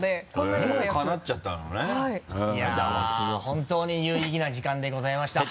本当に有意義な時間でございました。